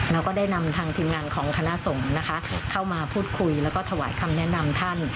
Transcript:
แล้วก็ได้นำทางทีมงานของคณะสงฆ์นะคะเข้ามาพูดคุยแล้วก็ถวายคำแนะนำท่าน